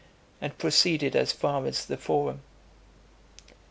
and proceeded as far as the Forum.